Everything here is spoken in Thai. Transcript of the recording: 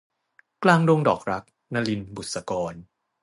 กลางดงดอกรัก - นลิน บุษกร